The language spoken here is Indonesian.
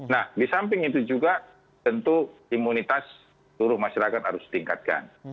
nah di samping itu juga tentu imunitas seluruh masyarakat harus ditingkatkan